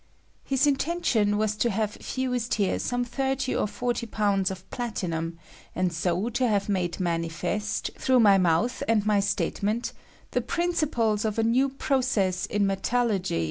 His intention was to have fused here some thirty or forty pounds of platinum, and so to have made manifest, through my mouth and my statement, the principles of a new process in metallurgy r 186 SOUBCEa OF PLATINUM.